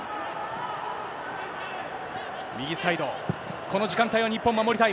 右サイド、この時間帯は日本、守りたい。